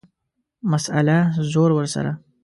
مسئله ، زور ورسره.